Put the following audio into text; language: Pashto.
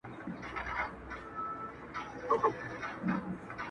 که په لاره کی دي مل وو آیینه کي چي انسان دی -